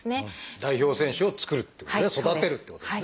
代表選手を作るっていうこと育てるっていうことですね。